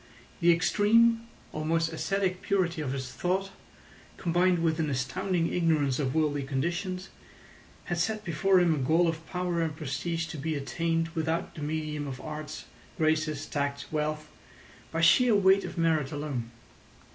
The extreme, almost ascetic purity of his thought, combined with an astounding ignorance of worldly conditions, had set before him a goal of power and prestige to be attained without the medium of arts, graces, tact, wealth—by sheer weight of merit alone.